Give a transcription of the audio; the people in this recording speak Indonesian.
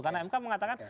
karena mk mengatakan